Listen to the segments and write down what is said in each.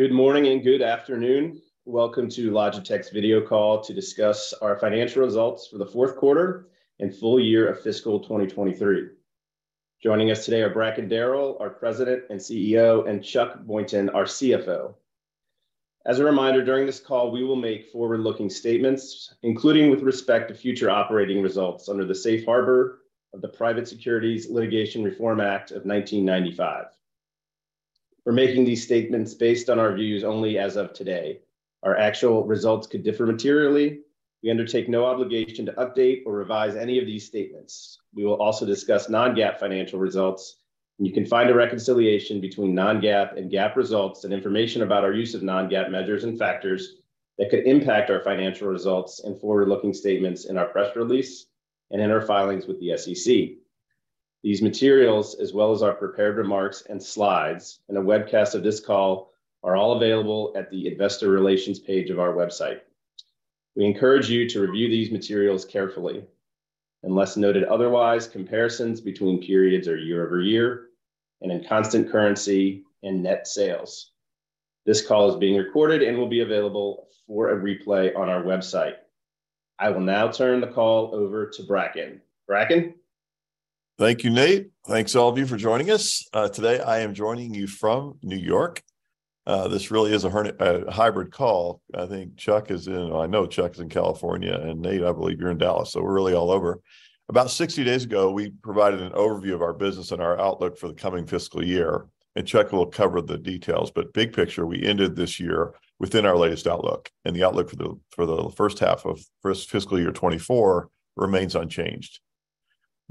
Good morning and good afternoon. Welcome to Logitech's video call to discuss our financial results for the fourth quarter and full year of fiscal 2023. Joining us today are Bracken Darrell, our President and CEO, and Chuck Boynton, our CFO. As a reminder, during this call, we will make forward-looking statements, including with respect to future operating results under the safe harbor of the Private Securities Litigation Reform Act of 1995. We're making these statements based on our views only as of today. Our actual results could differ materially. We undertake no obligation to update or revise any of these statements. We will also discuss non-GAAP financial results, and you can find a reconciliation between non-GAAP and GAAP results and information about our use of non-GAAP measures and factors that could impact our financial results and forward-looking statements in our press release and in our filings with the SEC. These materials, as well as our prepared remarks and slides, and a webcast of this call are all available at the investor relations page of our website. We encourage you to review these materials carefully. Unless noted otherwise, comparisons between periods are year-over-year and in constant currency and net sales. This call is being recorded and will be available for a replay on our website. I will now turn the call over to Bracken. Bracken? Thank you, Nate. Thanks all of you for joining us. Today I am joining you from New York. This really is a hybrid call. I know Chuck is in California, and Nate, I believe you're in Dallas, so we're really all over. About 60 days ago, we provided an overview of our business and our outlook for the coming fiscal year. Chuck will cover the details. Big picture, we ended this year within our latest outlook, and the outlook for the, for the first half of first fiscal year 2024 remains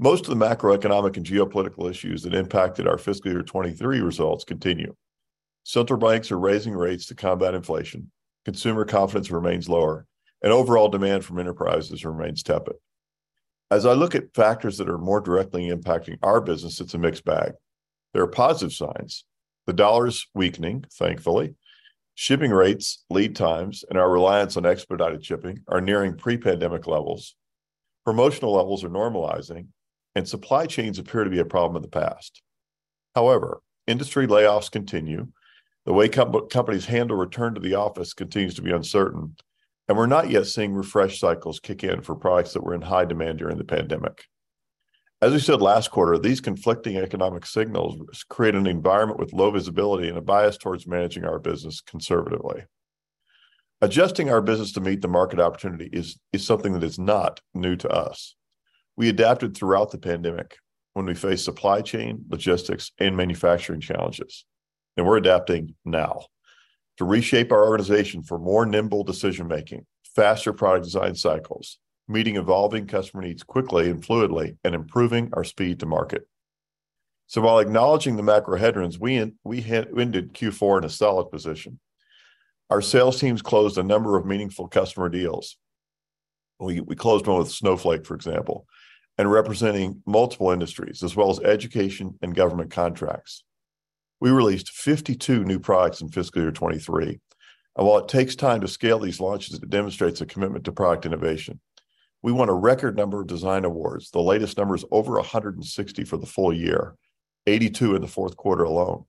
unchanged. Most of the macroeconomic and geopolitical issues that impacted our fiscal year 2023 results continue. Central banks are raising rates to combat inflation. Consumer confidence remains lower, and overall demand from enterprises remains tepid. As I look at factors that are more directly impacting our business, it's a mixed bag. There are positive signs. The dollar is weakening, thankfully. Shipping rates, lead times, and our reliance on expedited shipping are nearing pre-pandemic levels. Promotional levels are normalizing, and supply chains appear to be a problem of the past. However, industry layoffs continue. The way companies handle return to the office continues to be uncertain, and we're not yet seeing refresh cycles kick in for products that were in high demand during the pandemic. As we said last quarter, these conflicting economic signals create an environment with low visibility and a bias towards managing our business conservatively. Adjusting our business to meet the market opportunity is something that is not new to us. We adapted throughout the pandemic when we faced supply chain, logistics, and manufacturing challenges, we're adapting now to reshape our organization for more nimble decision-making, faster product design cycles, meeting evolving customer needs quickly and fluidly, and improving our speed to market. While acknowledging the macro headwinds, we ended Q4 in a solid position. Our sales teams closed a number of meaningful customer deals. We closed one with Snowflake, for example, and representing multiple industries as well as education and government contracts. We released 52 new products in fiscal year 2023. While it takes time to scale these launches, it demonstrates a commitment to product innovation. We won a record number of design awards. The latest number is over 160 for the full year, 82 in the fourth quarter alone.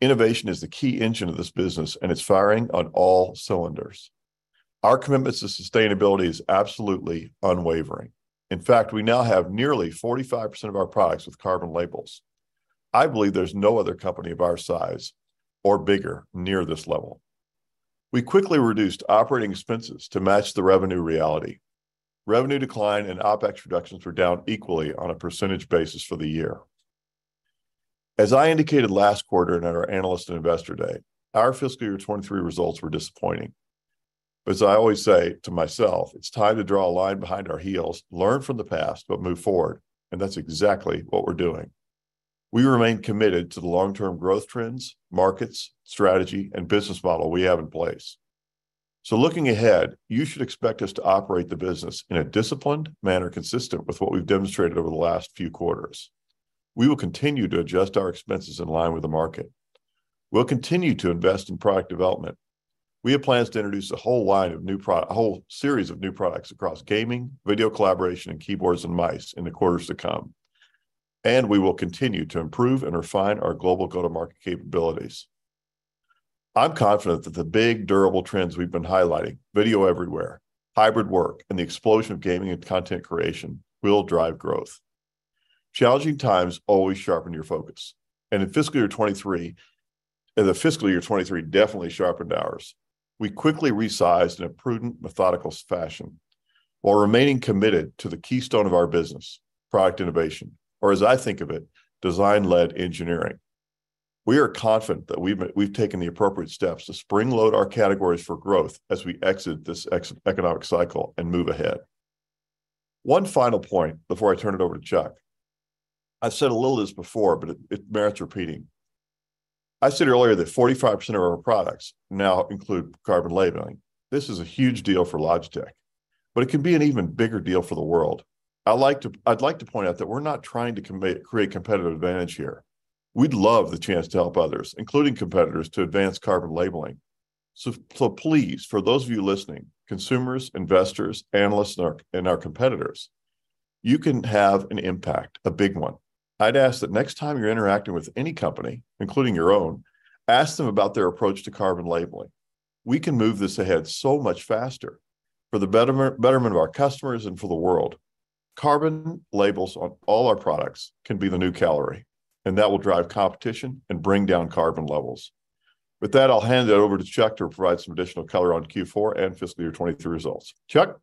Innovation is the key engine of this business, and it's firing on all cylinders. Our commitment to sustainability is absolutely unwavering. In fact, we now have nearly 45% of our products with carbon labels. I believe there's no other company of our size or bigger near this level. We quickly reduced operating expenses to match the revenue reality. Revenue decline and OpEx reductions were down equally on a percentage basis for the year. As I indicated last quarter and at our Analyst and Investor Day, our fiscal year 2023 results were disappointing. As I always say to myself, "It's time to draw a line behind our heels, learn from the past, but move forward," and that's exactly what we're doing. We remain committed to the long-term growth trends, markets, strategy, and business model we have in place. Looking ahead, you should expect us to operate the business in a disciplined manner consistent with what we've demonstrated over the last few quarters. We will continue to adjust our expenses in line with the market. We'll continue to invest in product development. We have plans to introduce a whole series of new products across gaming, video collaboration, and keyboards and mice in the quarters to come. We will continue to improve and refine our global go-to-market capabilities. I'm confident that the big, durable trends we've been highlighting, video everywhere, hybrid work, and the explosion of gaming and content creation, will drive growth. Challenging times always sharpen your focus, and the fiscal year 2023 definitely sharpened ours. We quickly resized in a prudent, methodical fashion while remaining committed to the keystone of our business, product innovation, or as I think of it, design-led engineering. We are confident that we've taken the appropriate steps to springload our categories for growth as we exit this economic cycle and move ahead. One final point before I turn it over to Chuck. I said a little of this before, but it merits repeating. I said earlier that 45% of our products now include carbon labeling. This is a huge deal for Logitech, but it can be an even bigger deal for the world. I'd like to point out that we're not trying to create competitive advantage here. We'd love the chance to help others, including competitors, to advance carbon labeling. Please, for those of you listening, consumers, investors, analysts, and our competitors. You can have an impact, a big one. I'd ask that next time you're interacting with any company, including your own, ask them about their approach to carbon labeling. We can move this ahead so much faster for the betterment of our customers and for the world. Carbon labels on all our products can be the new calorie, and that will drive competition and bring down carbon levels. With that, I'll hand it over to Chuck to provide some additional color on Q4 and fiscal year 2023 results. Chuck?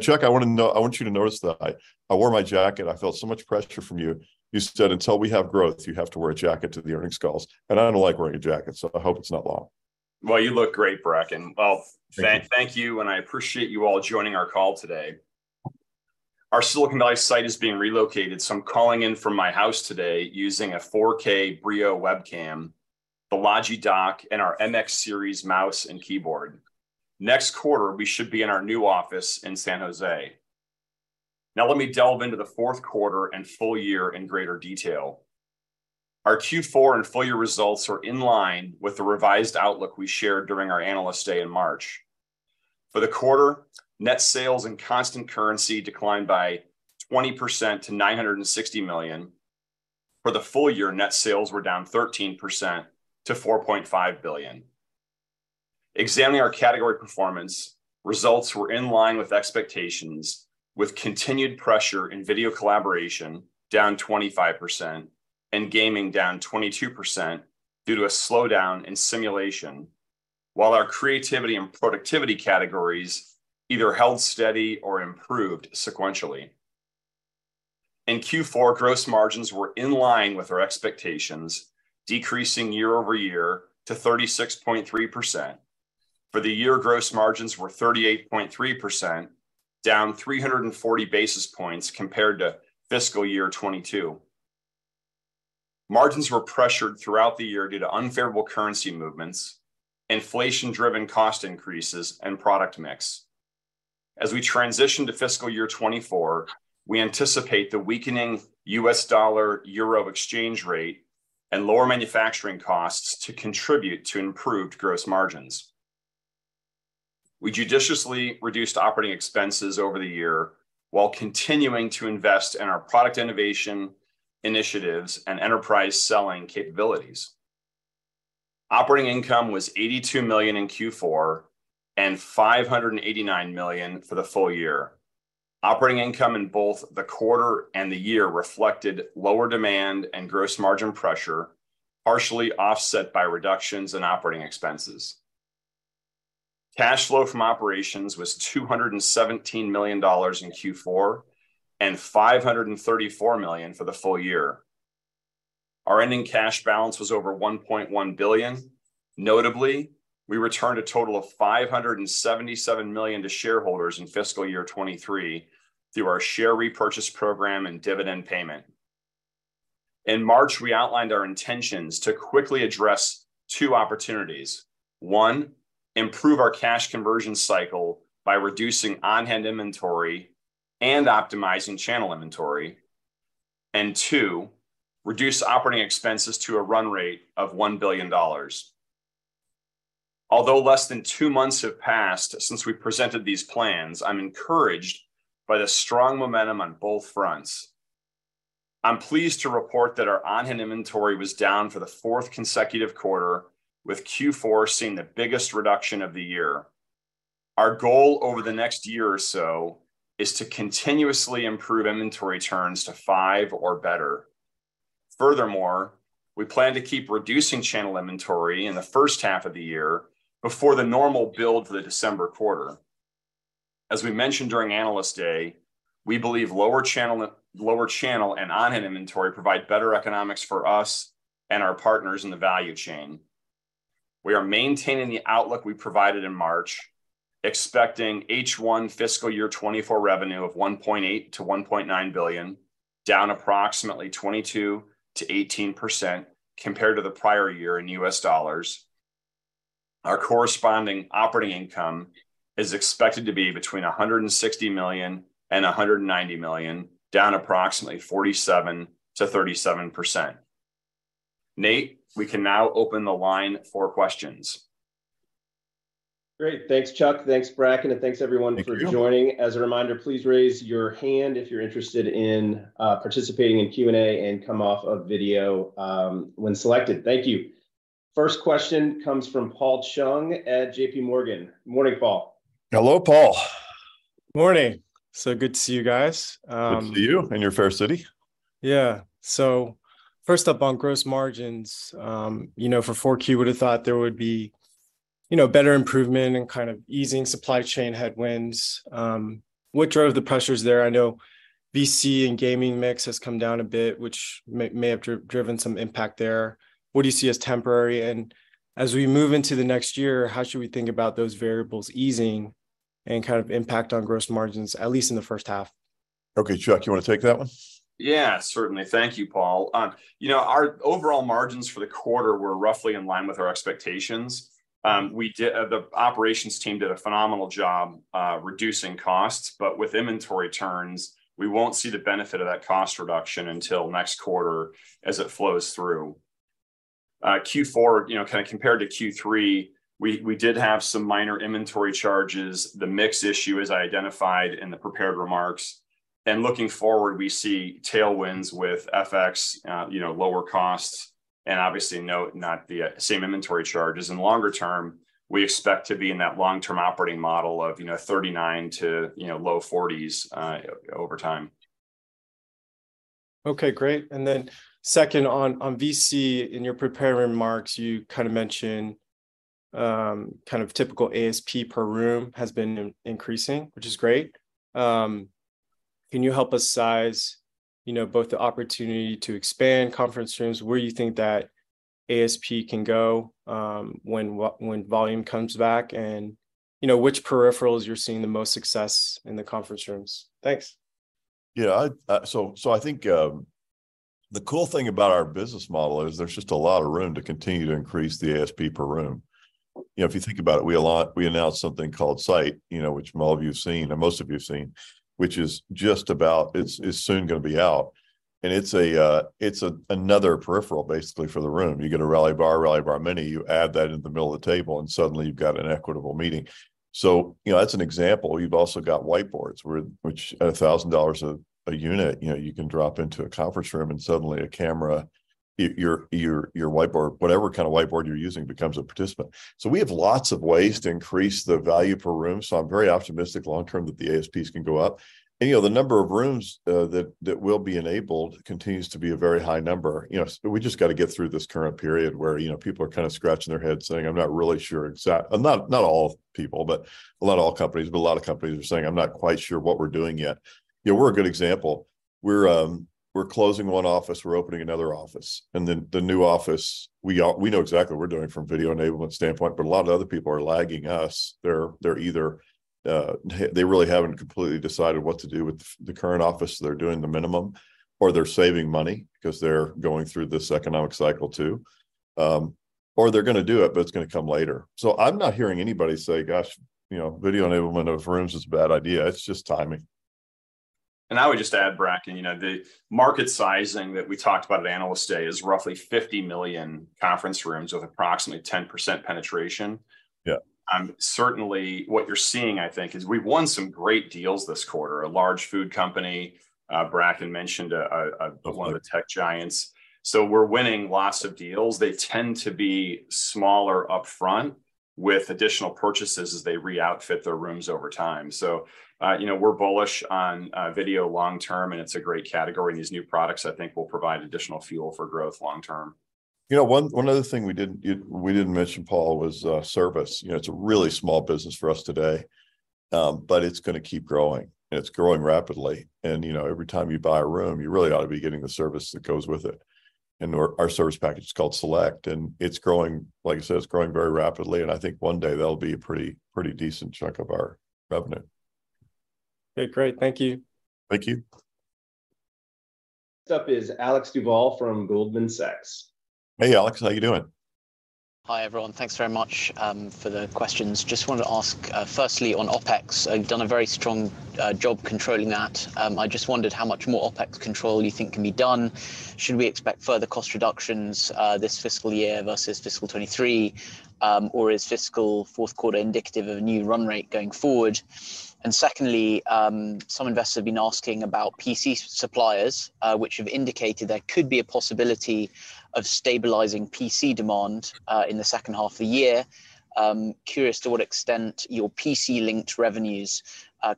Chuck, I want you to notice that I wore my jacket. I felt so much pressure from you. You said, "Until we have growth, you have to wear a jacket to the earnings calls." I don't like wearing a jacket, so I hope it's not long. Well, you look great, Bracken. Thank you. Thank you. I appreciate you all joining our call today. Our Silicon Valley site is being relocated. I'm calling in from my house today using a BRIO 4K webcam, the Logi Dock, and our MX series mouse and keyboard. Next quarter, we should be in our new office in San Jose. Let me delve into the fourth quarter and full year in greater detail. Our Q4 and full year results are in line with the revised outlook we shared during our Analyst Day in March. For the quarter, net sales in constant currency declined by 20% to $960 million. For the full year, net sales were down 13% to $4.5 billion. Examining our category performance, results were in line with expectations with continued pressure in video collaboration down 25% and gaming down 22% due to a slowdown in simulation, while our creativity and productivity categories either held steady or improved sequentially. In Q4, gross margins were in line with our expectations, decreasing year-over-year to 36.3%. For the year, gross margins were 38.3%, down 340 basis points compared to fiscal year 2022. Margins were pressured throughout the year due to unfavorable currency movements, inflation-driven cost increases, and product mix. As we transition to fiscal year 2024, we anticipate the weakening U.S. dollar, euro exchange rate, and lower manufacturing costs to contribute to improved gross margins. We judiciously reduced operating expenses over the year while continuing to invest in our product innovation initiatives and enterprise selling capabilities. Operating income was $82 million in Q4 and $589 million for the full year. Operating income in both the quarter and the year reflected lower demand and gross margin pressure, partially offset by reductions in operating expenses. Cash flow from operations was $217 million in Q4 and $534 million for the full year. Our ending cash balance was over $1.1 billion. Notably, we returned a total of $577 million to shareholders in fiscal year 2023 through our share repurchase program and dividend payment. In March, we outlined our intentions to quickly address two opportunities: one, improve our cash conversion cycle by reducing on-hand inventory and optimizing channel inventory; and two, reduce operating expenses to a run rate of $1 billion. Although less than two months have passed since we presented these plans, I'm encouraged by the strong momentum on both fronts. I'm pleased to report that our on-hand inventory was down for the fourth consecutive quarter, with Q4 seeing the biggest reduction of the year. Our goal over the next year or so is to continuously improve inventory turns to five or better. Furthermore, we plan to keep reducing channel inventory in the first half of the year before the normal build for the December quarter. As we mentioned during Analyst Day, we believe lower channel and on-hand inventory provide better economics for us and our partners in the value chain. We are maintaining the outlook we provided in March, expecting H1 fiscal year 2024 revenue of $1.8 billion-$1.9 billion, down approximately 22%-18% compared to the prior year in U.S. dollars. Our corresponding operating income is expected to be between $160 million and $190 million, down approximately 47%-37%. Nate, we can now open the line for questions. Great. Thanks, Chuck, thanks, Bracken, and thanks, everyone for joining. Thank you. As a reminder, please raise your hand if you're interested in participating in Q&A, and come off of video when selected. Thank you. First question comes from Paul Chung at JPMorgan. Morning, Paul. Hello, Paul. Morning. Good to see you guys. Good to see you in your fair city. Yeah. First up, on gross margins, you know, for 4Q, would've thought there would be, you know, better improvement in kind of easing supply chain headwinds. What drove the pressures there? I know PC and gaming mix has come down a bit, which may have driven some impact there. What do you see as temporary? As we move into the next year, how should we think about those variables easing and kind of impact on gross margins, at least in the first half? Okay, Chuck, you wanna take that one? Yeah. Certainly. Thank you, Paul. You know, our overall margins for the quarter were roughly in line with our expectations. The operations team did a phenomenal job reducing costs, but with inventory turns, we won't see the benefit of that cost reduction until next quarter as it flows through. Q4, you know, kind of compared to Q3, we did have some minor inventory charges. The mix issue, as identified in the prepared remarks. Looking forward, we see tailwinds with FX, you know, lower costs, and obviously not the same inventory charges. Longer term, we expect to be in that long-term operating model of, you know, 39% to, you know, low 40s% over time. Okay, great. Then second, on VC, in your prepared remarks you kind of mentioned, kind of typical ASP per room has been increasing, which is great. Can you help us size, you know, both the opportunity to expand conference rooms, where you think that ASP can go, when volume comes back, and, you know, which peripherals you're seeing the most success in the conference rooms? Thanks. Yeah. I think the cool thing about our business model is there's just a lot of room to continue to increase the ASP per room. You know, if you think about it, we announced something called Sight, you know, which most of you have seen, which is just about... it's soon gonna be out, and it's another peripheral basically for the room. You get a Rally Bar, Rally Bar Mini, you add that in the middle of the table, and suddenly you've got an equitable meeting. You know, that's an example. You've also got whiteboards where, which at $1,000 a unit, you know, you can drop into a conference room and suddenly a camera, your whiteboard, whatever kind of whiteboard you're using, becomes a participant. We have lots of ways to increase the value per room, so I'm very optimistic long term that the ASPs can go up. You know, the number of rooms that will be enabled continues to be a very high number. You know, we just gotta get through this current period where, you know, people are kinda scratching their heads saying, "I'm not really sure exact..." Not all people, but, well, not all companies, but a lot of companies are saying, "I'm not quite sure what we're doing yet." You know, we're a good example. We're closing one office, we're opening another office. The new office we know exactly what we're doing from a video enablement standpoint, but a lot of the other people are lagging us. They're either, they really haven't completely decided what to do with the current office, they're doing the minimum, or they're saving money 'cause they're going through this economic cycle too. They're gonna do it, but it's gonna come later. I'm not hearing anybody say, "Gosh, you know, video enablement of rooms is a bad idea." It's just timing. I would just add, Bracken, you know, the market sizing that we talked about at Analyst Day is roughly 50 million conference rooms with approximately 10% penetration. Yeah. Certainly what you're seeing, I think, is we've won some great deals this quarter. A large food company, Bracken mentioned a one of the tech giants. We're winning lots of deals. They tend to be smaller up front, with additional purchases as they re-outfit their rooms over time. You know, we're bullish on video long term, and it's a great category, and these new products I think will provide additional fuel for growth long term. You know, one other thing we didn't mention, Paul, was service. You know, it's a really small business for us today, but it's gonna keep growing, and it's growing rapidly. Every time you buy a room, you really ought to be getting the service that goes with it. Our service package is called Select, and it's growing, like I said, it's growing very rapidly, and I think one day that'll be a pretty decent chunk of our revenue. Okay, great. Thank you. Thank you. Next up is Alex Duval from Goldman Sachs. Hey, Alex. How you doing? Hi, everyone. Thanks very much for the questions. Just wanted to ask, firstly on OpEx, you've done a very strong job controlling that. I just wondered how much more OpEx control you think can be done. Should we expect further cost reductions this fiscal year versus fiscal 2023, or is fiscal fourth quarter indicative of a new run rate going forward? Secondly, some investors have been asking about PC suppliers, which have indicated there could be a possibility of stabilizing PC demand in the second half of the year. Curious to what extent your PC-linked revenues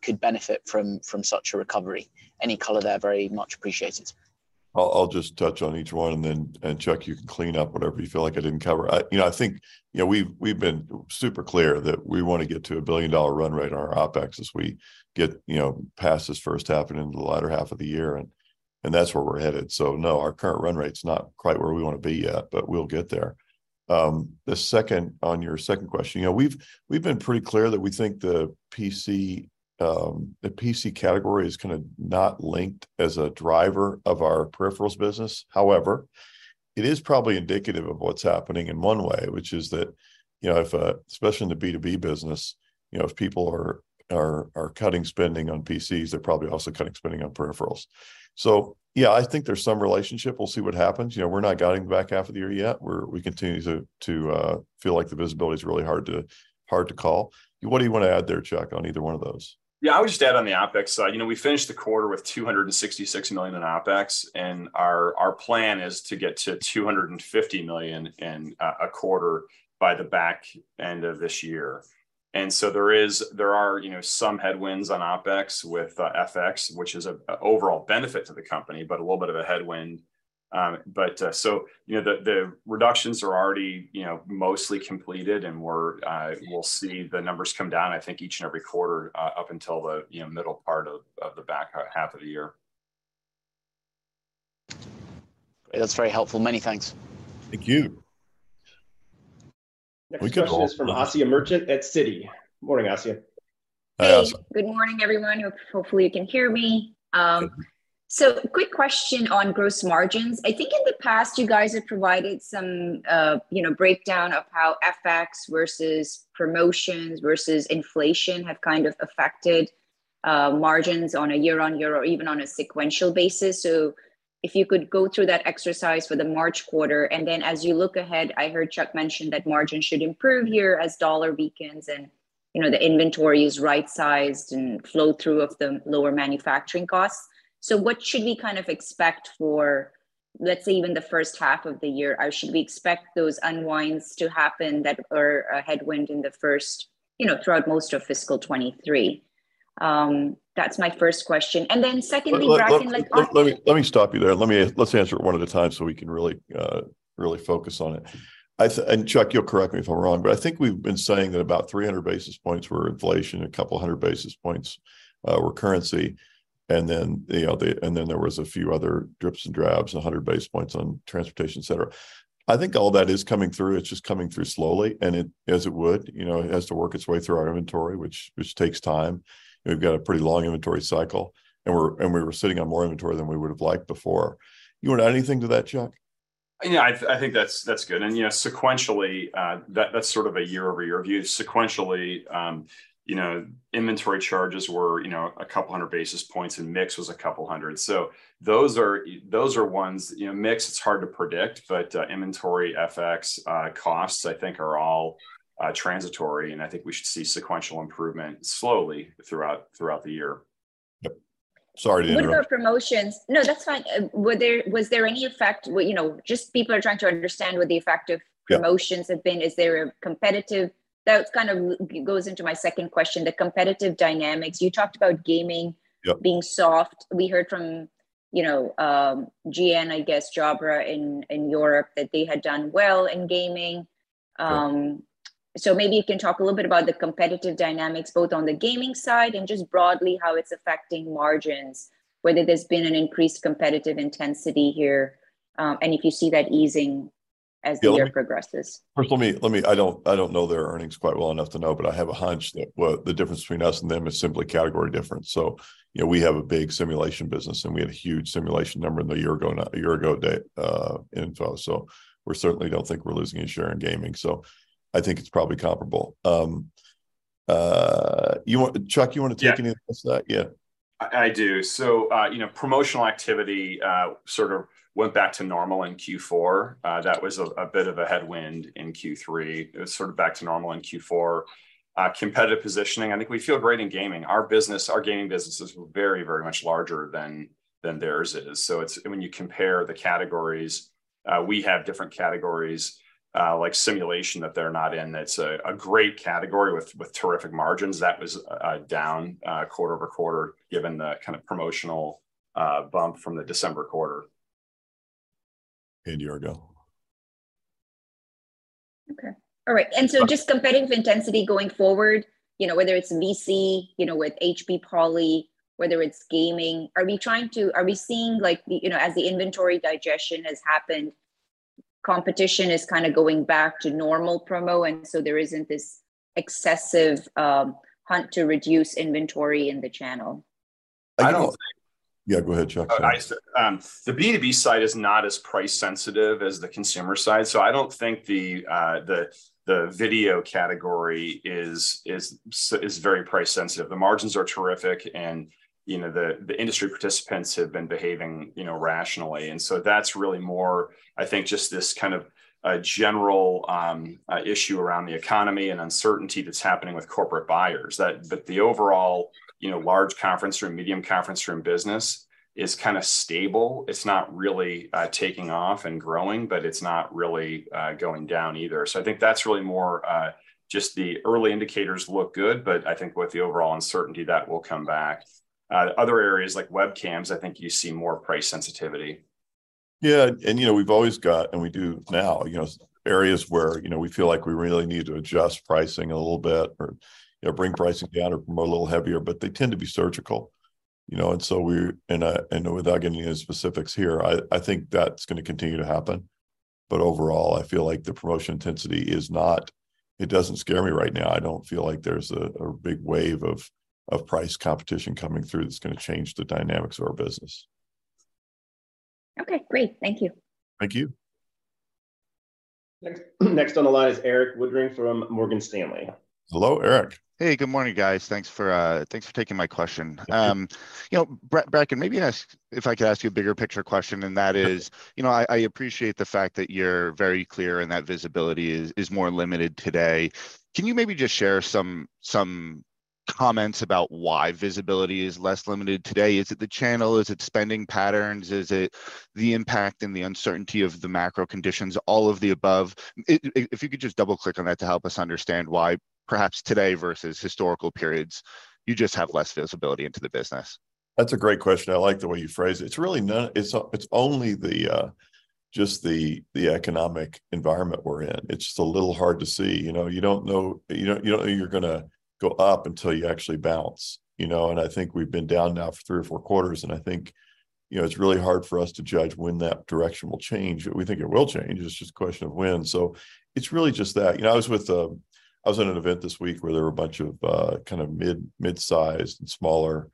could benefit from such a recovery. Any color there very much appreciated. I'll just touch on each one, then Chuck you can clean up whatever you feel like I didn't cover. I think, you know, we've been super clear that we wanna get to a $1 billion run rate on our OpEx as we get, you know, past this first half and into the latter half of the year, and that's where we're headed. No, our current run rate's not quite where we wanna be yet, but we'll get there. The second, on your second question, you know, we've been pretty clear that we think the PC, the PC category is kinda not linked as a driver of our peripherals business. However, it is probably indicative of what's happening in one way, which is that, you know, if especially in the B2B business, you know, if people are cutting spending on PCs, they're probably also cutting spending on peripherals. Yeah, I think there's some relationship. We'll see what happens. You know, we're not guiding the back half of the year yet. We continue to feel like the visibility's really hard to call. What do you want to add there, Chuck, on either one of those? Yeah, I would just add on the OpEx side, you know, we finished the quarter with 266 million in OpEx, and our, our plan is to get to 250 million in, uh, a quarter by the back end of this year. And so there is, there are, you know, some headwinds on OpEx with, uh, FX, which is a, a overall benefit to the company, but a little bit of a headwind. Um, but, uh, so, you know, the, the reductions are already, you know, mostly completed, and we're, uh, we'll see the numbers come down I think each and every quarter, uh, up until the, you know, middle part of, of the back ha- half of the year. Great. That's very helpful. Many thanks. Thank you. Next question? We could go-... is from Asiya Merchant at Citi. Morning, Asiya. Hi, Asiya. Hey. Good morning, everyone. Hopefully you can hear me. Quick question on gross margins. I think in the past you guys have provided some, you know, breakdown of how FX versus promotions versus inflation have kind of affected margins on a year-over-year or even on a sequential basis. If you could go through that exercise for the March quarter, as you look ahead, I heard Chuck mention that margins should improve here as dollar weakens and, you know, the inventory is right-sized and flow through of the lower manufacturing costs. What should we kind of expect for, let's say, even the first half of the year? Or should we expect those unwinds to happen that are a headwind in the first, you know, throughout most of fiscal 2023? That's my first question. Secondly, Bracken, like. Let me stop you there. Let me. Let's answer it one at a time so we can really focus on it. Chuck, you'll correct me if I'm wrong, but I think we've been saying that about 300 basis points were inflation, a couple hundred basis points were currency, and then, you know, there was a few other drips and drabs, 100 basis points on transportation, et cetera. I think all that is coming through. It's just coming through slowly, as it would. You know, it has to work its way through our inventory, which takes time. We've got a pretty long inventory cycle, and we were sitting on more inventory than we would have liked before. You wanna add anything to that, Chuck? Yeah, I think that's good. You know, sequentially, that's sort of a year-over-year view. Sequentially, you know, inventory charges were, you know, a couple hundred basis points and mix was a couple hundred. Those are ones. You know, mix, it's hard to predict, but inventory, FX, costs I think are all transitory, and I think we should see sequential improvement slowly throughout the year. Yep. Sorry to interrupt. With our promotions. No, that's fine. Was there any effect, you know, just people are trying to understand what the effect of promotions have been. Is there a competitive. That kind of goes into my second question, the competitive dynamics. You talked about gaming being soft. We heard from, you know, GN, I guess Jabra in Europe that they had done well in gaming. Maybe you can talk a little bit about the competitive dynamics both on the gaming side and just broadly how it's affecting margins, whether there's been an increased competitive intensity here, and if you see that easing as the year progresses. First, let me I don't know their earnings quite well enough to know, but I have a hunch that what the difference between us and them is simply category difference. You know, we have a big simulation business, and we had a huge simulation number in the year ago, a year ago date info. We certainly don't think we're losing a share in gaming, so I think it's probably comparable. You want Chuck, you wanna take any of this? Yeah. I do. You know, promotional activity sort of went back to normal in Q4. That was a bit of a headwind in Q3. It was sort of back to normal in Q4. Competitive positioning, I think we feel great in gaming. Our business, our gaming business is very, very much larger than theirs is. When you compare the categories, we have different categories like simulation that they're not in. That's a great category with terrific margins. That was down quarter-over-quarter given the kind of promotional bump from the December quarter. Year ago. Okay. All right. Just competitive intensity going forward, you know, whether it's VC, you know, with HP probably, whether it's gaming, are we seeing, like, the, you know, as the inventory digestion has happened, competition is kind of going back to normal promo, and so there isn't this excessive hunt to reduce inventory in the channel? I don't think- Yeah, go ahead, Chuck. Sorry. Oh, the B2B side is not as price sensitive as the consumer side, so I don't think the video category is very price sensitive. The margins are terrific, and, you know, the industry participants have been behaving, you know, rationally. That's really more, I think, just this kind of a general issue around the economy and uncertainty that's happening with corporate buyers. That the overall, you know, large conference room, medium conference room business is kind of stable. It's not really taking off and growing, but it's not really going down either. I think that's really more just the early indicators look good, but I think with the overall uncertainty, that will come back. Other areas like webcams, I think you see more price sensitivity. Yeah. You know, we've always got, and we do now, you know, areas where, you know, we feel like we really need to adjust pricing a little bit or, you know, bring pricing down or promote a little heavier, but they tend to be surgical, you know? Without getting into specifics here, I think that's gonna continue to happen. Overall, I feel like the promotion intensity is not. It doesn't scare me right now. I don't feel like there's a big wave of price competition coming through that's gonna change the dynamics of our business. Okay, great. Thank you. Thank you. Next on the line is Erik Woodring from Morgan Stanley. Hello, Erik. Hey. Good morning, guys. Thanks for, thanks for taking my question. Thank you. You know, Bracken, maybe ask, if I could ask you a bigger picture question, and that is: You know, I appreciate the fact that you're very clear and that visibility is more limited today. Can you maybe just share some comments about why visibility is less limited today? Is it the channel? Is it spending patterns? Is it the impact and the uncertainty of the macro conditions? All of the above? If you could just double-click on that to help us understand why perhaps today versus historical periods you just have less visibility into the business. That's a great question. I like the way you phrase it. It's really, it's only the just the economic environment we're in. It's just a little hard to see. You know, you don't know, you don't know you're gonna go up until you actually balance, you know? I think we've been down now for three or four quarters, and I think, you know, it's really hard for us to judge when that direction will change. We think it will change. It's just a question of when. It's really just that. You know, I was with I was in an event this week where there were a bunch of kind of mid-sized and smaller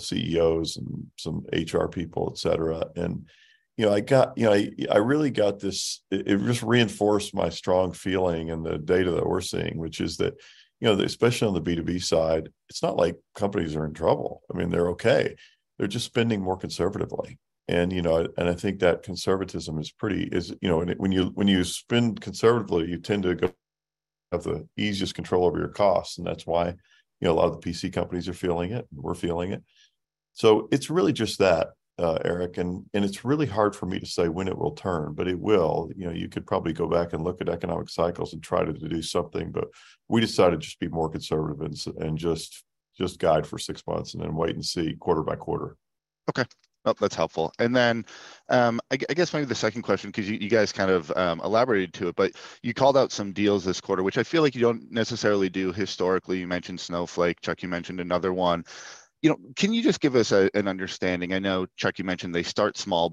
CEOs and some HR people, et cetera. You know, I got, you know, I really got this... It just reinforced my strong feeling and the data that we're seeing, which is that, you know, especially on the B2B side, it's not like companies are in trouble. I mean, they're okay. They're just spending more conservatively. You know, and I think that conservatism is, you know, and when you spend conservatively, you tend to have the easiest control over your costs, and that's why, you know, a lot of the PC companies are feeling it, and we're feeling it. It's really just that, Erik, and it's really hard for me to say when it will turn, but it will. You know, you could probably go back and look at economic cycles and try to deduce something, but we decided to just be more conservative and just guide for six months and then wait and see quarter by quarter. No, that's helpful. I guess maybe the second question, 'cause you guys kind of elaborated to it, you called out some deals this quarter, which I feel like you don't necessarily do historically. You mentioned Snowflake. Chuck, you mentioned another one. You know, can you just give us an understanding? I know, Chuck, you mentioned they start small,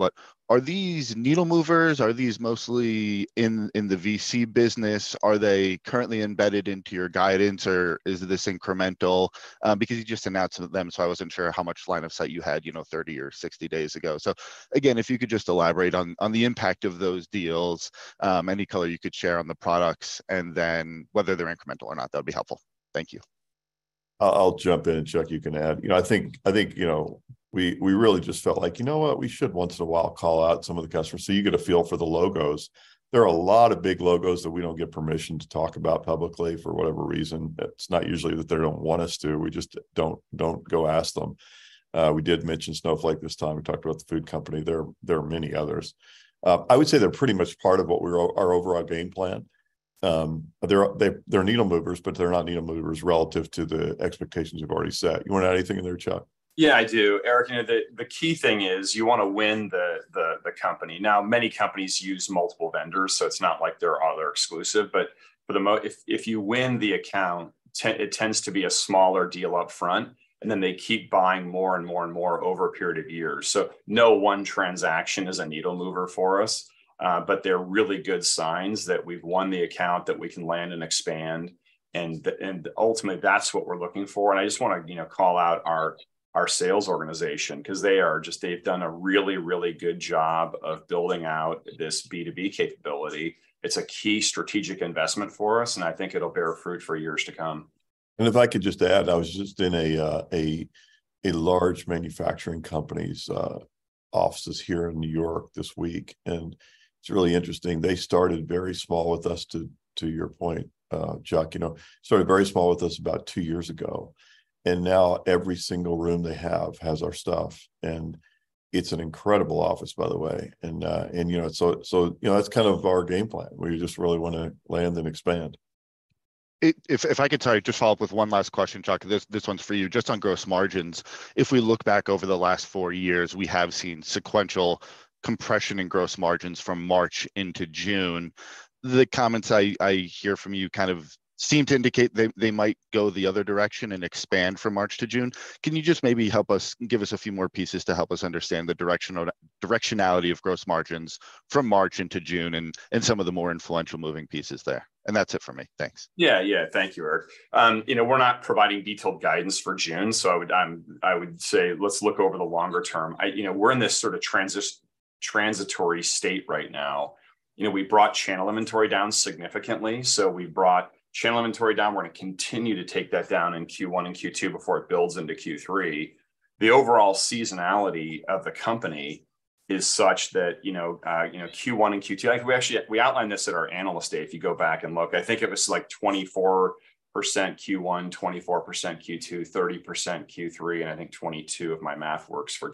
are these needle movers? Are these mostly in the VC business? Are they currently embedded into your guidance, is this incremental? Because you just announced them, I wasn't sure how much line of sight you had, you know, 30 or 60 days ago. Again, if you could just elaborate on the impact of those deals, any color you could share on the products, whether they're incremental or not, that would be helpful. Thank you. I'll jump in, and Chuck, you can add. You know, I think, you know, we really just felt like, you know what? We should once in a while call out some of the customers so you get a feel for the logos. There are a lot of big logos that we don't get permission to talk about publicly for whatever reason. It's not usually that they don't want us to. We just don't go ask them. We did mention Snowflake this time. We talked about the food company. There are many others. I would say they're pretty much part of our overall game plan. They're needle movers, but they're not needle movers relative to the expectations we've already set. You wanna add anything in there, Chuck? Yeah, I do. Erik, you know, the key thing is you wanna win the company. Many companies use multiple vendors, so it's not like they're exclusive. For if you win the account, it tends to be a smaller deal up front, and then they keep buying more and more over a period of years. No one transaction is a needle mover for us, but they're really good signs that we've won the account, that we can land and expand, and ultimately, that's what we're looking for. I just wanna, you know, call out our sales organization 'cause they've done a really good job of building out this B2B capability. It's a key strategic investment for us. I think it'll bear fruit for years to come. If I could just add, I was just in a large manufacturing company's offices here in New York this week, and it's really interesting. They started very small with us, to your point, Chuck. You know, started very small with us about two years ago, and now every single room they have has our stuff. It's an incredible office, by the way, and, you know, so, you know, that's kind of our game plan. We just really wanna land then expand. If I could, sorry, just follow up with one last question, Chuck, and this one's for you. Just on gross margins, if we look back over the last four years, we have seen sequential compression in gross margins from March into June. The comments I hear from you kind of seem to indicate they might go the other direction and expand from March to June. Can you just maybe help us, give us a few more pieces to help us understand the directionality of gross margins from March into June and some of the more influential moving pieces there? That's it for me. Thanks. Yeah, yeah. Thank you, Erik. You know, we're not providing detailed guidance for June, I would say let's look over the longer term. You know, we're in this sort of transitory state right now. You know, we brought channel inventory down significantly. We're gonna continue to take that down in Q1 and Q2 before it builds into Q3. The overall seasonality of the company is such that, you know, you know, Q1 and Q2, like we actually, we outlined this at our Analyst Day, if you go back and look. I think it was like 24% Q1, 24% Q2, 30% Q3, I think 22%, if my math works, for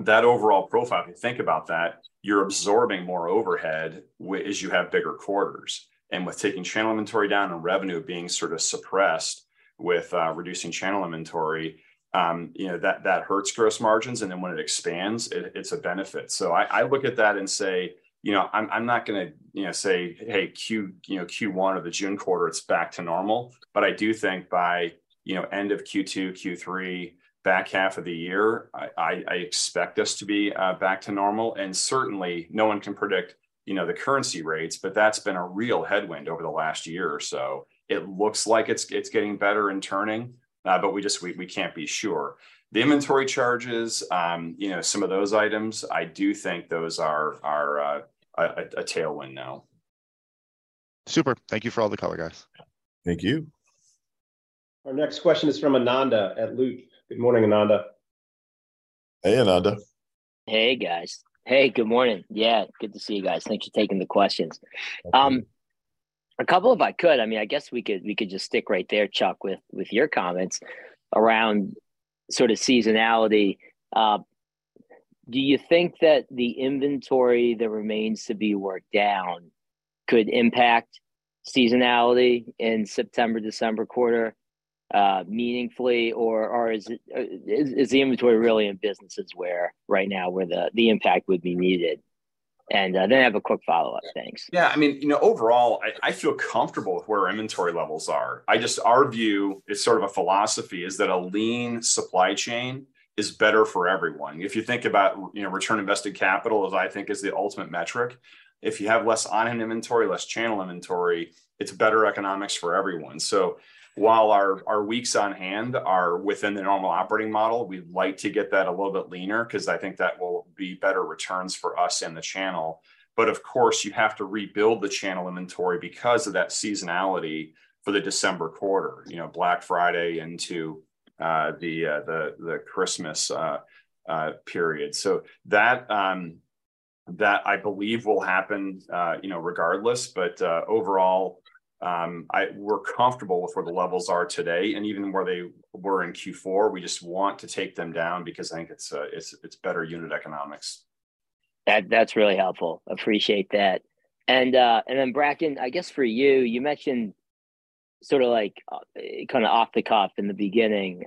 Q4. That overall profile, if you think about that, you're absorbing more overhead as you have bigger quarters. With taking channel inventory down and revenue being sort of suppressed with reducing channel inventory, you know, that hurts gross margins, and then when it expands, it's a benefit. I look at that and say, you know, I'm not gonna, you know, say, "Hey, Q1 or the June quarter, it's back to normal." I do think by, you know, end of Q2, Q3, back half of the year, I expect us to be back to normal. Certainly, no one can predict, you know, the currency rates, but that's been a real headwind over the last year or so. It looks like it's getting better and turning, but we just, we can't be sure. The inventory charges, you know, some of those items, I do think those are a tailwind now. Super. Thank you for all the color, guys. Thank you. Our next question is from Ananda at Loop. Good morning, Ananda. Hey, Ananda. Hey, guys. Hey, good morning. Yeah, good to see you guys. Thanks for taking the questions. A couple if I could. I mean, I guess we could just stick right there, Chuck, with your comments around sort of seasonality. Do you think that the inventory that remains to be worked down could impact seasonality in September, December quarter, meaningfully, or is it, is the inventory really in businesses right now where the impact would be needed? Then I have a quick follow-up. Thanks I mean, you know, overall I feel comfortable with where our inventory levels are. Our view is sort of a philosophy, is that a lean supply chain is better for everyone. If you think about, you know, return on invested capital as I think is the ultimate metric, if you have less on-hand inventory, less channel inventory, it's better economics for everyone. While our weeks on hand are within the normal operating model, we'd like to get that a little bit leaner because I think that will be better returns for us and the channel. Of course, you have to rebuild the channel inventory because of that seasonality for the December quarter, you know, Black Friday into the Christmas period. That I believe will happen, you know, regardless. Overall, we're comfortable with where the levels are today and even where they were in Q4. We just want to take them down because I think it's better unit economics. That's really helpful. Appreciate that. Then Bracken, I guess for you mentioned sort of like, kind of off the cuff in the beginning,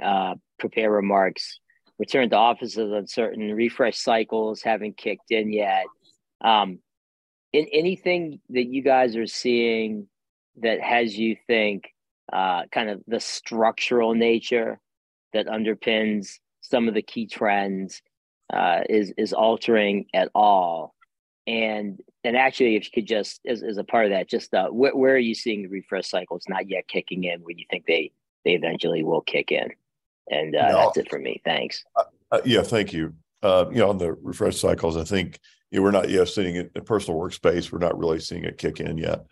prepared remarks. Return to office is uncertain, refresh cycles haven't kicked in yet. Anything that you guys are seeing that has you think, kind of the structural nature that underpins some of the key trends, is altering at all? Actually if you could just as a part of that, just, where are you seeing the refresh cycles not yet kicking in? When do you think they eventually will kick in? No That's it for me. Thanks. Yeah. Thank you. You know, on the refresh cycles, I think we're not yet seeing it. In personal workspace, we're not really seeing it kick in yet,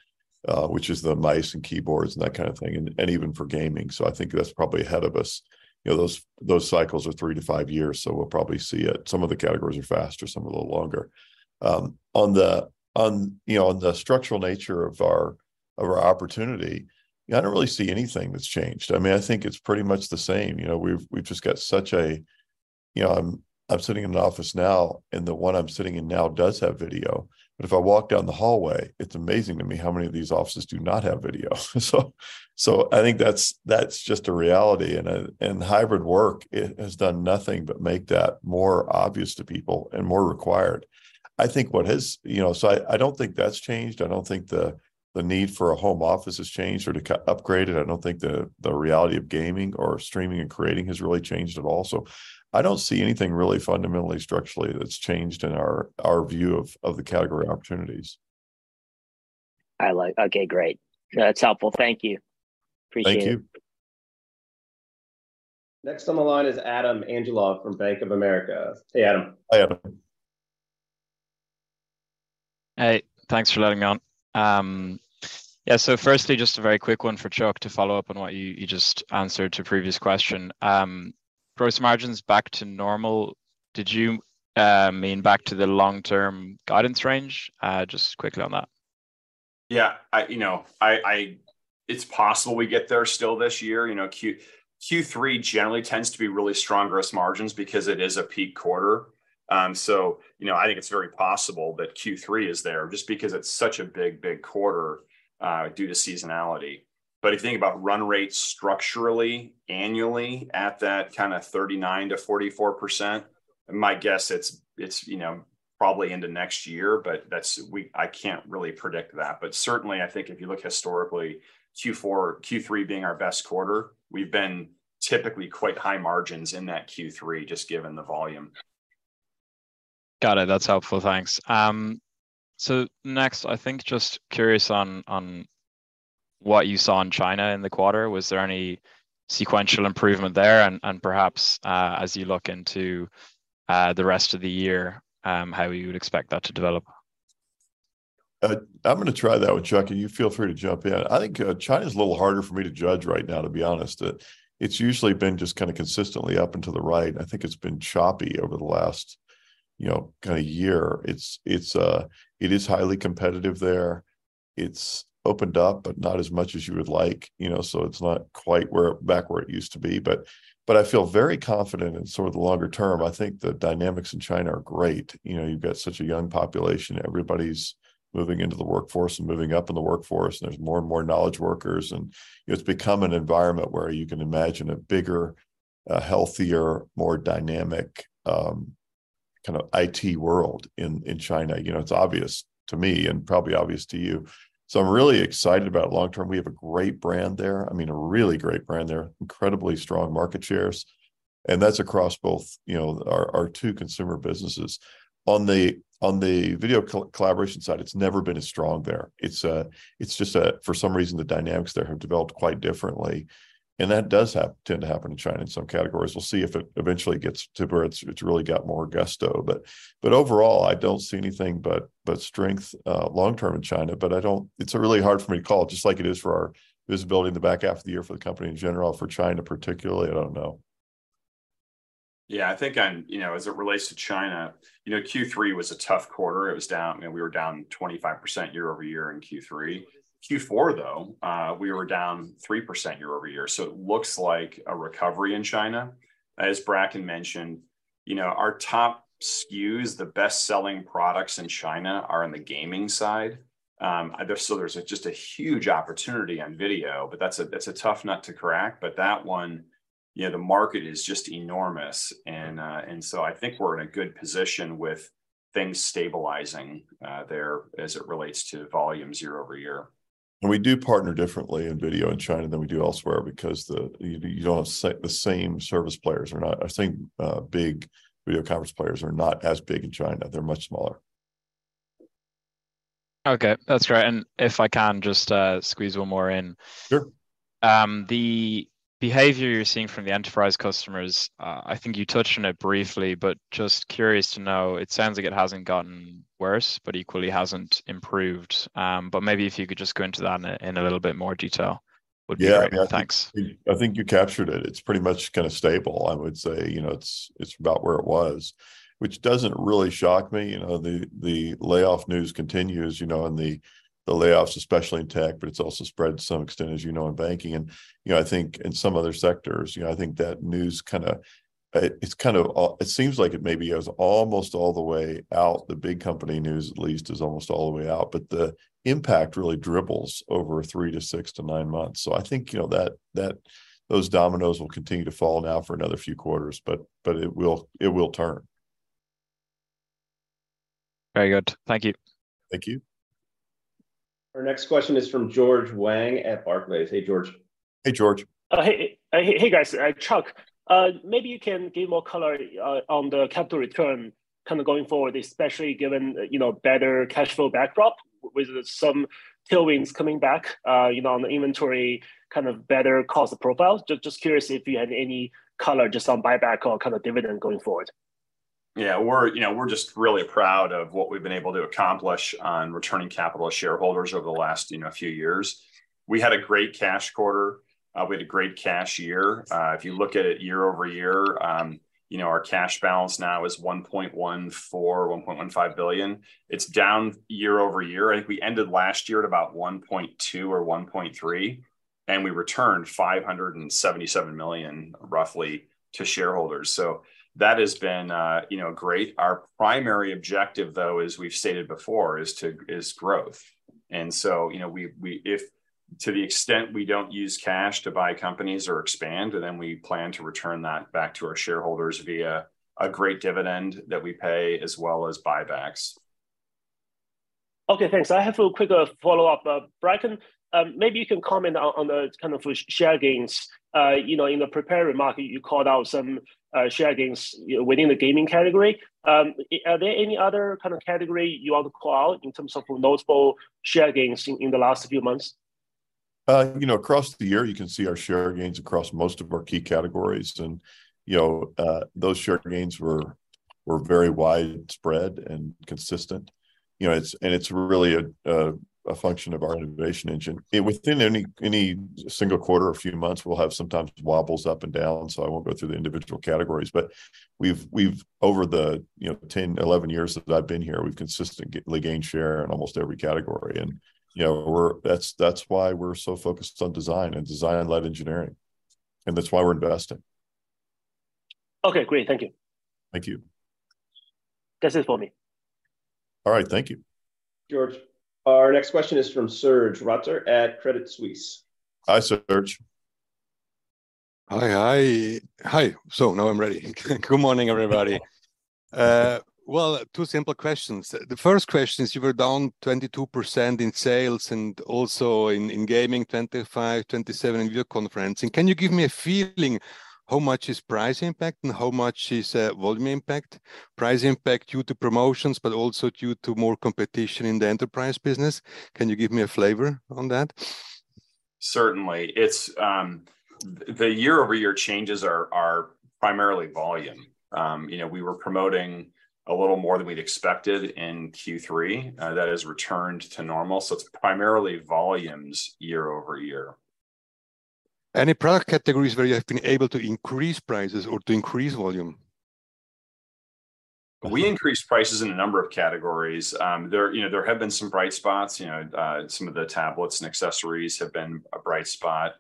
which is the mice and keyboards and that kind of thing, and even for gaming. I think that's probably ahead of us. You know, those cycles are three to five years, so we'll probably see it. Some of the categories are faster, some a little longer. On the structural nature of our opportunity, I don't really see anything that's changed. I mean, I think it's pretty much the same. You know, we've just got. You know, I'm sitting in an office now, and the one I'm sitting in now does have video. If I walk down the hallway, it's amazing to me how many of these offices do not have video. I think that's just a reality. Hybrid work has done nothing but make that more obvious to people and more required. I don't think that's changed. I don't think the need for a home office has changed or to upgrade it. I don't think the reality of gaming or streaming and creating has really changed at all. I don't see anything really fundamentally structurally that's changed in our view of the category opportunities. Okay, great. That's helpful. Thank you. Appreciate it. Thank you. Next on the line is Adam Angelov from Bank of America. Hey, Adam. Hi, Adam. Hey, thanks for letting me on. Firstly, just a very quick one for Chuck to follow up on what you just answered to a previous question. Gross margins back to normal, did you mean back to the long-term guidance range? Yeah, you know, it's possible we get there still this year. You know, Q3 generally tends to be really strong gross margins because it is a peak quarter. You know, I think it's very possible that Q3 is there just because it's such a big quarter, due to seasonality. If you think about run rates structurally, annually at that kind of 39%-44%, my guess it's, you know, probably into next year, but that's I can't really predict that. Certainly I think if you look historically, Q4, Q3 being our best quarter, we've been typically quite high margins in that Q3 just given the volume. Got it. That's helpful. Thanks. Next, I think just curious on what you saw in China in the quarter. Was there any sequential improvement there? And perhaps, as you look into, the rest of the year, how you would expect that to develop. I'm gonna try that one, Chuck. You feel free to jump in. I think China's a little harder for me to judge right now, to be honest. It's usually been just kinda consistently up and to the right. I think it's been choppy over the last, you know, kind of year. It is highly competitive there. It's opened up, not as much as you would like, you know. It's not quite where, back where it used to be. I feel very confident in sort of the longer term. I think the dynamics in China are great. You know, you've got such a young population. Everybody's moving into the workforce and moving up in the workforce. There's more and more knowledge workers. It's become an environment where you can imagine a bigger, a healthier, more dynamic, kind of IT world in China. You know, it's obvious to me and probably obvious to you. I'm really excited about long-term. We have a great brand there. I mean, a really great brand there. Incredibly strong market shares, and that's across both, you know, our two consumer businesses. On the video collaboration side, it's never been as strong there. It's just, for some reason, the dynamics there have developed quite differently. That does tend to happen in China in some categories. We'll see if it eventually gets to where it's really got more gusto. Overall, I don't see anything but strength long-term in China. It's really hard for me to call it, just like it is for our visibility in the back half of the year for the company in general. For China particularly, I don't know. I think, you know, as it relates to China, you know, Q3 was a tough quarter. It was down, you know, we were down 25% year-over-year in Q3. Q4, though, we were down 3% year-over-year. It looks like a recovery in China. As Bracken mentioned, you know, our top SKUs, the best-selling products in China are on the gaming side. There's just a huge opportunity on video, but that's a, that's a tough nut to crack. Yeah, the market is just enormous. I think we're in a good position with things stabilizing there as it relates to volumes year-over-year. We do partner differently in video in China than we do elsewhere because you don't have the same service players. They're not. Our same big video conference players are not as big in China. They're much smaller. Okay, that's great, and if I can just squeeze one more in. Sure. The behavior you're seeing from the enterprise customers, I think you touched on it briefly, but just curious to know, it sounds like it hasn't gotten worse, but equally hasn't improved. Maybe if you could just go into that in a little bit more detail would be great. Thanks. Yeah, I think, I think you captured it. It's pretty much kind of stable, I would say. You know, it's about where it was, which doesn't really shock me. You know, the layoff news continues, you know, and the layoffs especially in tech, but it's also spread to some extent, as you know, in banking and, you know, I think in some other sectors. You know, I think that news kind of, it's kind of, it seems like it maybe is almost all the way out, the big company news at least is almost all the way out. The impact really dribbles over three to six to nine months. I think, you know, that, those dominoes will continue to fall now for another few quarters, but it will turn. Very good. Thank you. Thank you. Our next question is from George Wang at Barclays. Hey, George. Hey, George. Hey, guys. Chuck, maybe you can give more color on the capital return kind of going forward, especially given, you know, better cash flow backdrop with some tailwinds coming back, you know, on the inventory kind of better cost profile. Just curious if you had any color just on buyback or kind of dividend going forward. Yeah. We're, you know, we're just really proud of what we've been able to accomplish on returning capital to shareholders over the last, you know, few years. We had a great cash quarter. We had a great cash year. If you look at it year-over-year, you know, our cash balance now is $1.14 billion-$1.15 billion. It's down year-over-year. I think we ended last year at about $1.2 billion or $1.3 billion, and we returned $577 million roughly to shareholders. That has been, you know, great. Our primary objective though, as we've stated before, is growth. You know, we, if to the extent we don't use cash to buy companies or expand, then we plan to return that back to our shareholders via a great dividend that we pay, as well as buybacks. Okay, thanks. I have a quick, follow-up. Bracken, maybe you can comment on the kind of share gains. You know, in the prepared remarket you called out some share gains, you know, within the gaming category. Are there any other kind of category you want to call out in terms of notable share gains in the last few months? You know, across the year you can see our share gains across most of our key categories and, you know, those share gains were very widespread and consistent. You know, it's really a function of our innovation engine. Within any single quarter or few months we'll have sometimes wobbles up and down, so I won't go through the individual categories, but we've over the, you know, 10, 11 years that I've been here, we've consistently gained share in almost every category and, you know, that's why we're so focused on design and design led engineering, and that's why we're investing. Okay, great. Thank you. Thank you. That's it for me. All right. Thank you. George. Our next question is from Serge Rotzer at Credit Suisse. Hi, Serge. Hi. Now I'm ready. Good morning, everybody. Yeah. Well, two simple questions. The first question is you were down 22% in sales and also in gaming 25%, 27% in video conferencing. Can you give me a feeling how much is price impact and how much is volume impact? Price impact due to promotions, also due to more competition in the enterprise business. Can you give me a flavor on that? Certainly. It's the year-over-year changes are primarily volume. You know, we were promoting a little more than we'd expected in Q3, that has returned to normal, so it's primarily volumes year-over-year. Any product categories where you have been able to increase prices or to increase volume? We increased prices in a number of categories. There, you know, there have been some bright spots. You know, some of the tablets and accessories have been a bright spot.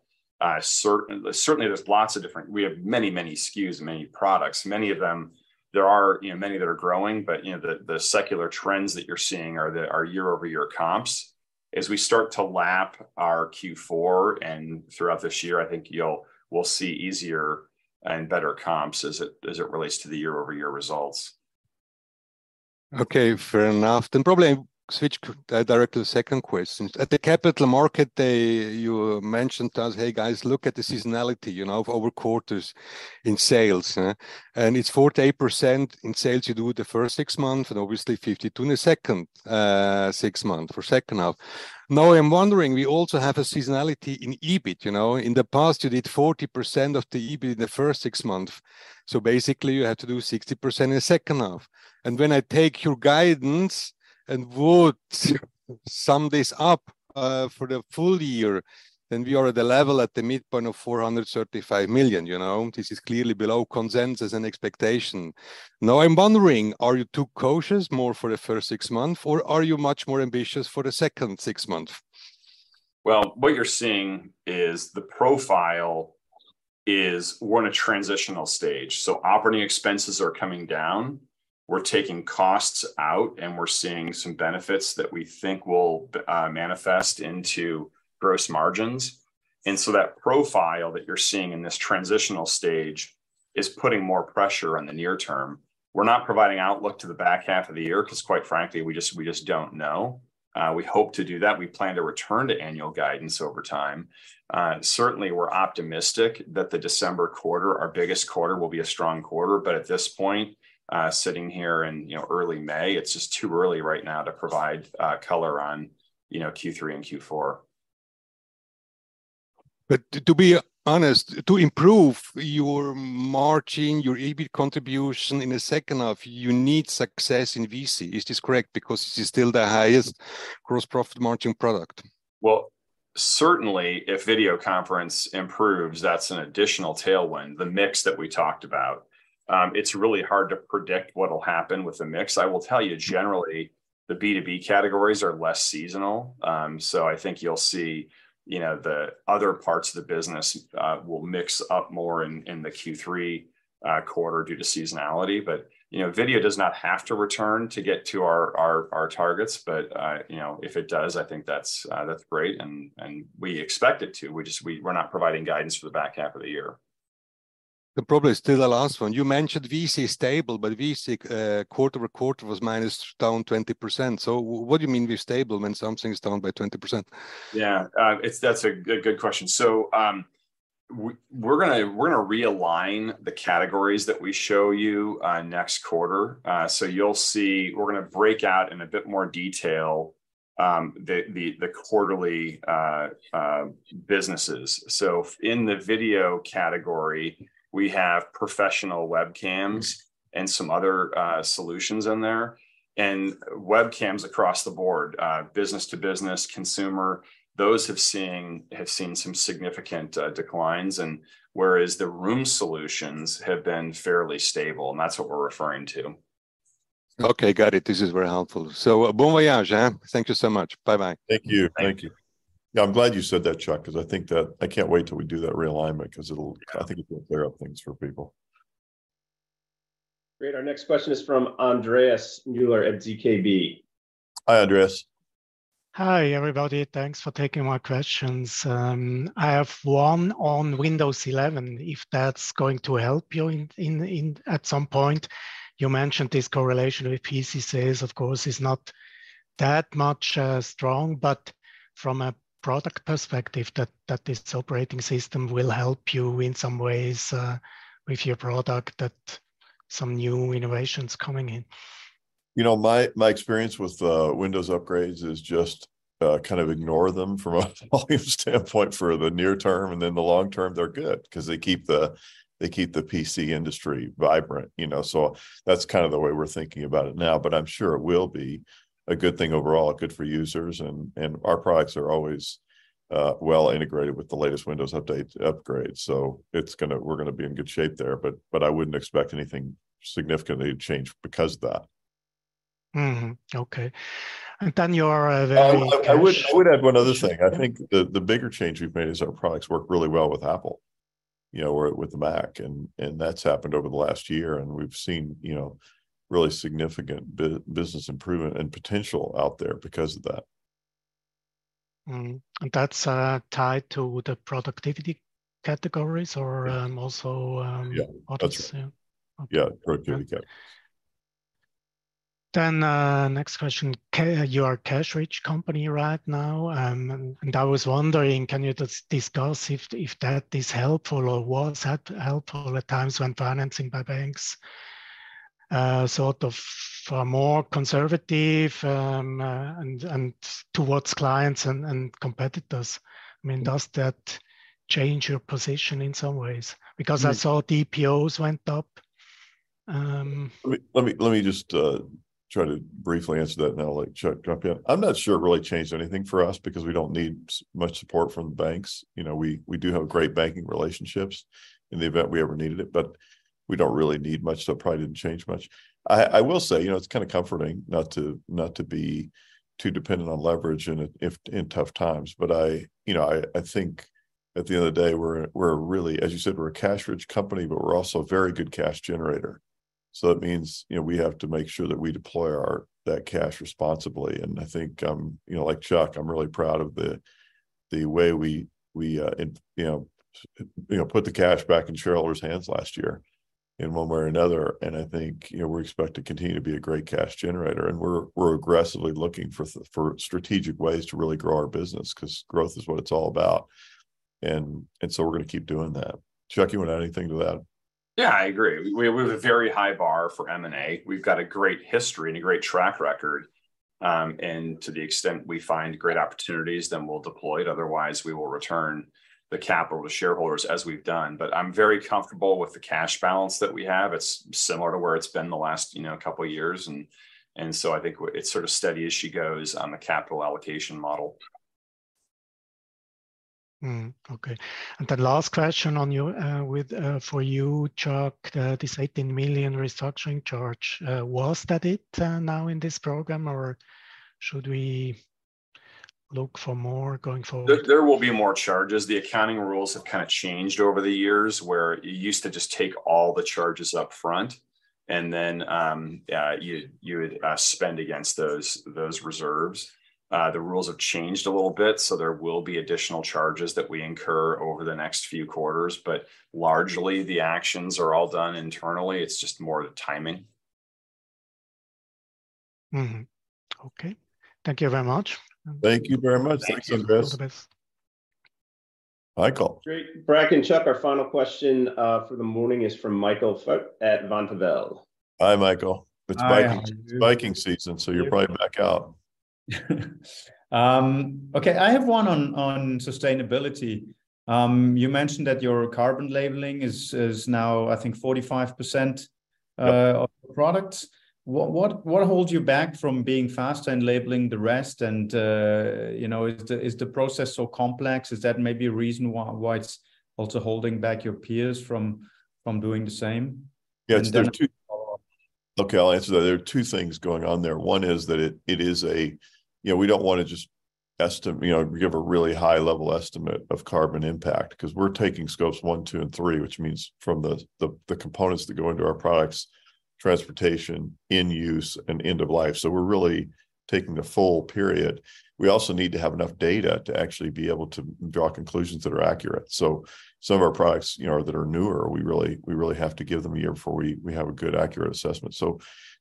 Certainly there's lots of different. We have many SKUs and many products, many of them, there are, you know, many that are growing. You know, the secular trends that you're seeing are year-over-year comps. As we start to lap our Q4 and throughout this year, I think we'll see easier and better comps as it relates to the year-over-year results. Okay, fair enough. Probably switch direct to the second question. At the capital market day, you mentioned to us, "Hey, guys, look at the seasonality, you know, of our quarters in sales." It's 48% in sales you do the first six months and obviously 52% in the second six months, or second half. I'm wondering, we also have a seasonality in EBIT, you know? In the past, you did 40% of the EBIT in the first six months, so basically you have to do 60% in the second half. When I take your guidance and would sum this up for the full year, we are at the level at the midpoint of $435 million, you know? This is clearly below consensus and expectation. I'm wondering, are you too cautious more for the first six months, or are you much more ambitious for the second six months? Well, what you're seeing is the profile is we're in a transitional stage. Operating expenses are coming down. We're taking costs out, and we're seeing some benefits that we think will manifest into gross margins. That profile that you're seeing in this transitional stage is putting more pressure on the near term. We're not providing outlook to the back half of the year, 'cause quite frankly we just don't know. We hope to do that. We plan to return to annual guidance over time. Certainly we're optimistic that the December quarter, our biggest quarter, will be a strong quarter, but at this point, sitting here in, you know, early May, it's just too early right now to provide color on, you know, Q3 and Q4. To be honest, to improve your margin, your EBIT contribution in the second half, you need success in VC. Is this correct? Because this is still the highest gross profit margin product. Certainly if video conference improves, that's an additional tailwind, the mix that we talked about. It's really hard to predict what'll happen with the mix. I will tell you, generally, the B2B categories are less seasonal. I think you'll see, you know, the other parts of the business will mix up more in the Q3 quarter due to seasonality. You know, video does not have to return to get to our targets, but, you know, if it does, I think that's great, and we expect it to. We just, we're not providing guidance for the back half of the year. The problem is still the last one. You mentioned VC is stable, VC, quarter-over-quarter was minus, down 20%. What do you mean we're stable when something's down by 20%? It's. That's a good question. We're gonna realign the categories that we show you next quarter. You'll see, we're gonna break out in a bit more detail the quarterly businesses. In the video category, we have professional webcams and some other solutions in there. Webcams across the board, B2B, consumer, those have seen some significant declines and whereas the room solutions have been fairly stable, that's what we're referring to. Okay. Got it. This is very helpful. Bon voyage, huh? Thank you so much. Bye-bye. Thank you. Thank you. Thanks. Yeah, I'm glad you said that, Chuck, 'cause I think that I can't wait till we do that realignment, 'cause it'll, I think it'll clear up things for people. Great. Our next question is from Andreas Müller at ZKB. Hi, Andreas. Hi, everybody. Thanks for taking my questions. I have one on Windows 11, if that's going to help you in, at some point. You mentioned this correlation with PC sales, of course, is not that much strong, but from a product perspective that this operating system will help you in some ways, with your product that some new innovation's coming in. You know, my experience with Windows upgrades is just kind of ignore them from a volume standpoint for the near term, and then the long term they're good, 'cause they keep the PC industry vibrant. You know? That's kind of the way we're thinking about it now. I'm sure it will be a good thing overall, good for users, and our products are always well integrated with the latest Windows update upgrades. It's gonna, we're gonna be in good shape there. I wouldn't expect anything significantly to change because of that. Okay. your very good cash position. I wish, I would add one other thing. I think the bigger change we've made is our products work really well with Apple, you know, or with the Mac, and that's happened over the last year, and we've seen, you know, really significant business improvement and potential out there because of that. That's tied to the productivity categories. Yeah also, Yeah products? Yeah. That's it. Okay. Yeah. Productivity. Yeah. Next question. You are cash rich company right now, and I was wondering, can you discuss if that is helpful or was helpful at times when financing by banks, sort of more conservative, and towards clients and competitors? I mean, does that change your position in some ways? Because I saw DPOs went up. Let me just try to briefly answer that and I'll let Chuck drop in. I'm not sure it really changed anything for us, because we don't need much support from the banks. You know, we do have great banking relationships in the event we ever needed it, but we don't really need much, so it probably didn't change much. I will say, you know, it's kind of comforting not to be too dependent on leverage in tough times. I, you know, I think at the end of the day, we're really, as you said, we're a cash rich company, but we're also a very good cash generator, so that means, you know, we have to make sure that we deploy that cash responsibly. I think, you know, like Chuck, I'm really proud of the way we in, you know, put the cash back in shareholders' hands last year in one way or another, and I think, you know, we expect to continue to be a great cash generator. We're aggressively looking for strategic ways to really grow our business, 'cause growth is what it's all about. So we're gonna keep doing that. Chuck, you want to add anything to that? Yeah, I agree. We have a very high bar for M&A. We've got a great history and a great track record. To the extent we find great opportunities, then we'll deploy it. Otherwise, we will return the capital to shareholders, as we've done. I'm very comfortable with the cash balance that we have. It's similar to where it's been the last, you know, couple years. I think it's sort of steady as she goes on the capital allocation model. Okay. The last question on you, with, for you, Chuck, this $18 million restructuring charge, was that it now in this program, or should we look for more going forward? There will be more charges. The accounting rules have kind of changed over the years, where you used to just take all the charges up front, and then you would spend against those reserves. The rules have changed a little bit. There will be additional charges that we incur over the next few quarters. Largely, the actions are all done internally, it's just more the timing. Mm-hmm. Okay. Thank you very much. Thank you very much. Thank you. Thanks, Andreas. Michael. Great. Brad and Chuck, our final question, for the morning is from Michael Foeth at Vontobel. Hi, Michael. Hi, how are you doing? It's biking season, so you're probably back out. Okay, I have one on sustainability. You mentioned that your carbon labeling is now, I think 45% of the products. What holds you back from being faster and labeling the rest and, you know, is the process so complex? Is that maybe a reason why it's also holding back your peers from doing the same? Is there? Okay, I'll answer that. There are two things going on there. One is that it is a You know, we don't wanna just you know, give a really high level estimate of carbon impact, 'cause we're taking Scope 1, 2, and 3, which means from the components that go into our products, transportation, in use, and end of life, so we're really taking the full period. We also need to have enough data to actually be able to draw conclusions that are accurate. Some of our products, you know, that are newer, we really have to give them a year before we have a good accurate assessment.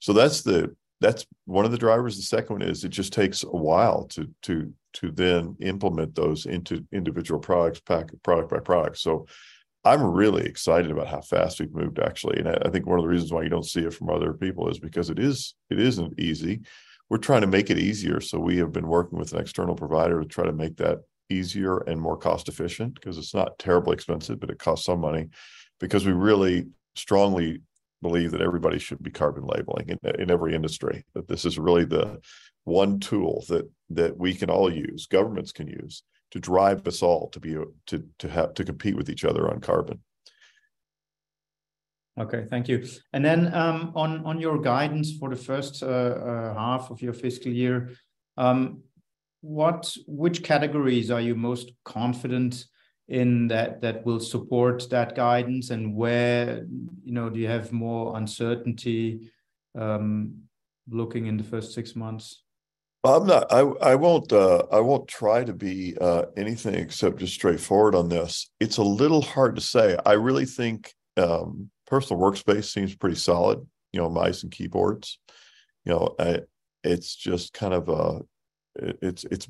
That's the, that's one of the drivers. The second one is, it just takes a while to then implement those into individual products, product by product. I'm really excited about how fast we've moved actually, and I think one of the reasons why you don't see it from other people is because it isn't easy. We're trying to make it easier, we have been working with an external provider to try to make that easier and more cost efficient, 'cause it's not terribly expensive, but it costs some money, because we really strongly believe that everybody should be carbon labeling in every industry. This is really the one tool that we can all use, governments can use, to drive us all to be able to have, to compete with each other on carbon. Okay, thank you. Then, on your guidance for the first half of your fiscal year, which categories are you most confident in that will support that guidance? Where, you know, do you have more uncertainty, looking in the first six months? I won't try to be anything except just straightforward on this. It's a little hard to say. I really think personal workspace seems pretty solid. You know, mice and keyboards. You know, it's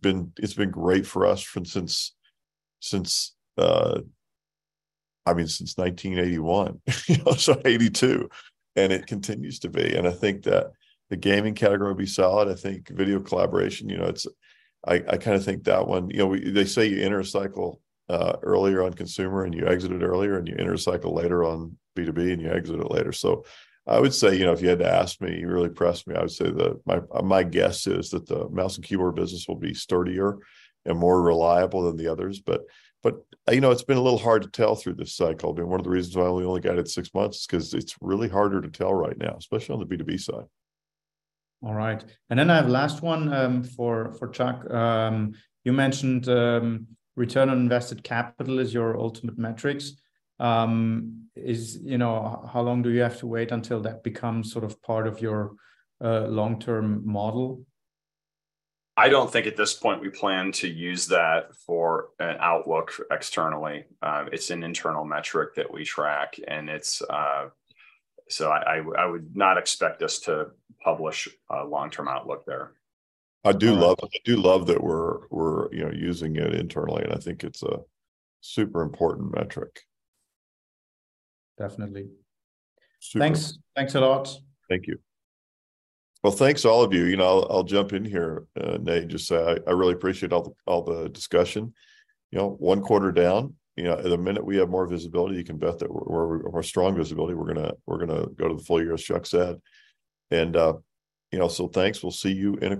been great for us from since, I mean, since 1981, you know, so 1982, and it continues to be. I think that the gaming category will be solid. I think video collaboration, you know, I kinda think that one, you know, They say you enter a cycle earlier on consumer and you exit it earlier, you enter a cycle later on B2B and you exit it later. I would say, you know, if you had to ask me, you really pressed me, I would say my guess is that the mouse and keyboard business will be sturdier and more reliable than the others. But, you know, it's been a little hard to tell through this cycle. One of the reasons why we only guided six months is 'cause it's really harder to tell right now, especially on the B2B side. All right. I have last one for Chuck. You mentioned return on invested capital is your ultimate metrics. Is, you know, how long do you have to wait until that becomes sort of part of your long-term model? I don't think at this point we plan to use that for an outlook externally. It's an internal metric that we track. I would not expect us to publish a long-term outlook there. I do love I do love that we're, you know, using it internally, and I think it's a super important metric. Definitely. Super- Thanks. Thanks a lot. Thank you. Well, thanks all of you. You know, I'll jump in here, Nate, just to say I really appreciate all the discussion. You know, one quarter down. You know, the minute we have more visibility, you can bet that we're, or more strong visibility, we're gonna go to the full year, as Chuck said. You know, thanks. We'll see you in a.